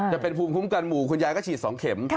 จะเป็นภูมิคุ้มกันหมู่คุณยายก็ฉีด๒เข็ม